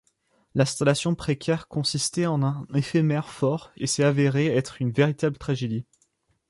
L'installation précaire consistait en un éphémère fort et s'est avérée être une véritable tragédie.